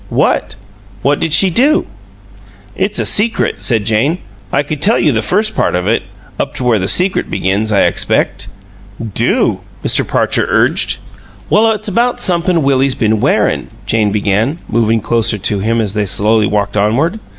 "What? What did she do?" "It's a secret," said Jane. "I could tell you the first part of it up to where the secret begins, I expect." "Do!" Mr. Parcher urged. "Well, it's about somep'm Willie's been WEARIN'," Jane began, moving closer to him as they slowly walked onward.